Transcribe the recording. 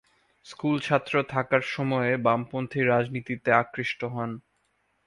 School ছাত্র থাকার সময়ে বামপন্থী রাজনীতিতে আকৃষ্ট হন।